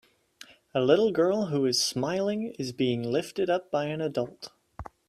A little girl who is smiling is being lifted up by an adult.